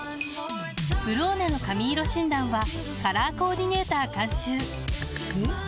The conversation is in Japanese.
「ブローネ」の髪色診断はカラーコーディネーター監修おっ！